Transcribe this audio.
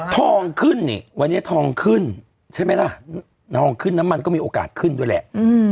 ทองขึ้นนี่วันนี้ทองขึ้นใช่ไหมล่ะทองขึ้นน้ำมันก็มีโอกาสขึ้นด้วยแหละ